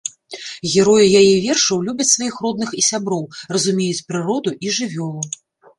Героі яе вершаў любяць сваіх родных і сяброў, разумеюць прыроду і жывёлу.